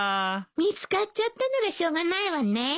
見つかっちゃったならしょうがないわね。